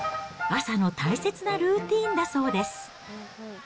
朝の大切なルーティンだそうです。